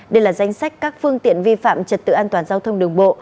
đây là danh sách các phương tiện vi phạm trật tự an toàn giao thông đường bộ